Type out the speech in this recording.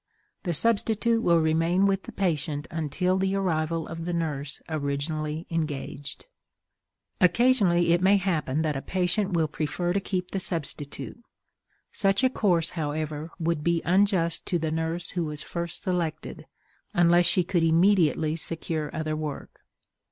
The substitute will remain with the patient until the arrival of the nurse originally engaged. Occasionally, it may happen that a patient will prefer to keep the substitute. Such a course, however, would be unjust to the nurse who was first selected, unless she could immediately secure other work.